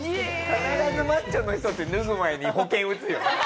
必ずマッチョの人って脱ぐ前に保険うつよね。